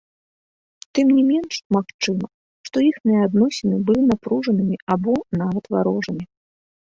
Тым не менш, магчыма, што іхнія адносіны былі напружанымі або нават варожымі.